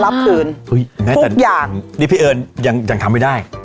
พี่เอิญยังทำไม่ได้